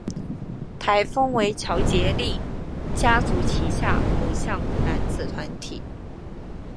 台风为乔杰立家族旗下偶像男子团体。